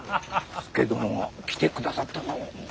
佐殿が来てくださったぞ。